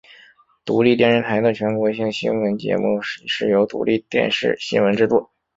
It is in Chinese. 独立电视台的全国性新闻节目是由独立电视新闻制作。